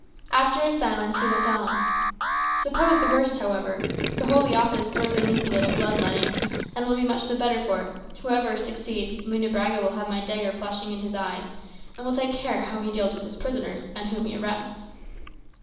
After a silence he went on, "Suppose the worst, however. The Holy Office sorely needs a little blood letting, and will be much the better for it. Whoever succeeds, Munebrãga will have my dagger flashing in his eyes, and will take care how he deals with his prisoners, and whom he arrests."